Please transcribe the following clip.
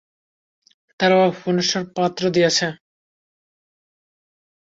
তার বাবা ভুবনেশ্বর পত্র দিয়াছে।